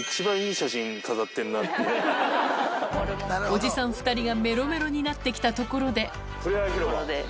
おじさん２人がメロメロになって来たところでふれあい広場。